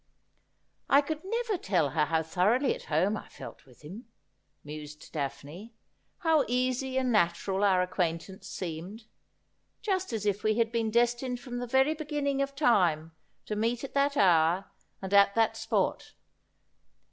' I could never tell her how thoroughly at heme I felt with him,' mused Daphne ;' how easy and natural our acquaintance seemed — just as if we had been destined from the very begin ning of time to meet at that hour and at that spot.